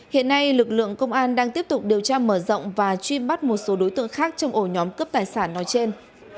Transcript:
hiện nay lực lượng công an đang tiếp tục điều tra mở rộng và truy bắt một số đối tượng khác trong ổ nhóm cướp tài sản nói trên